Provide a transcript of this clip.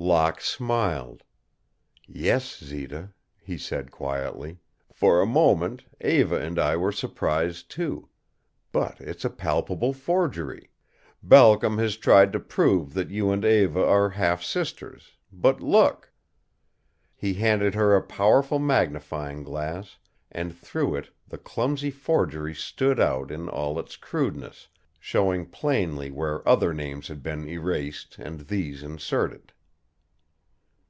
Locke smiled. "Yes, Zita," he said, quietly, "for a moment Eva and I were surprised, too. But it's a palpable forgery. Balcom has tried to prove that you and Eva are half sisters, but look." He handed her a powerful magnifying glass and through it the clumsy forgery stood out in all its crudeness, showing plainly where other names had been erased and these inserted.